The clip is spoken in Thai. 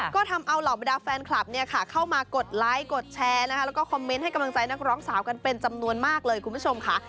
ก็ทำเอาเหล่าบรรดาแฟนคลับเนี่ยค่ะเข้ามากดไลค์กดแชร์นะคะแล้วก็คอมเมนต์ให้กำลังใจนักร้องสาวกันเป็นจำนวนมากเลยคุณผู้ชมค่ะ